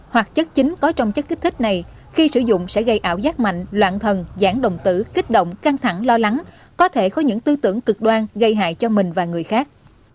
hoặc chất chính có trong chất kích thích này khi sử dụng sẽ gây ảo giác mạnh loạn thần giãn đồng tử kích động căng thẳng lo lắng có thể có những tư tưởng cực đoan gây hại cho mình và người khác